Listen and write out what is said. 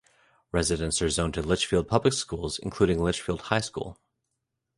Residents are zoned to Litchfield Public Schools including Litchfield High School.